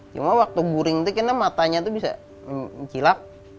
cuma waktu goreng itu matanya bisa mencilak